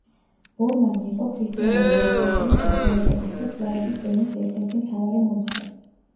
ბორმანი იყო ქრისტიანული ეკლესიის, ებრაელების და სლავების დევნის ერთ-ერთი მთავარი მომხრე.